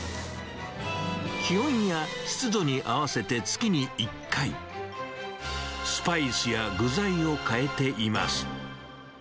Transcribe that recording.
気温や湿度に合わせて月に１回、スパイスや具材を変えています。